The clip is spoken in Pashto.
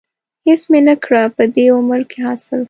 هېڅ مې نه کړه په دې عمر کې حاصل.